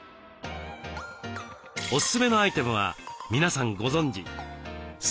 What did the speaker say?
おすすめのアイテムは皆さんご存じすだれ。